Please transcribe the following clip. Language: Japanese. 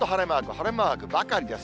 晴れマークばかりです。